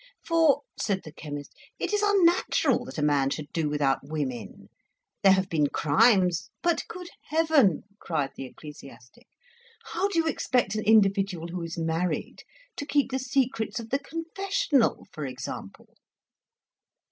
"For," said the chemist, "it is unnatural that a man should do without women! There have been crimes " "But, good heaven!" cried the ecclesiastic, "how do you expect an individual who is married to keep the secrets of the confessional, for example?"